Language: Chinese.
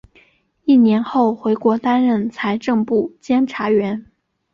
一年后回国担任财政部监察员。